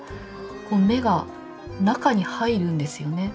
こう目が中に入るんですよね。